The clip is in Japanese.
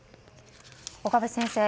岡部先生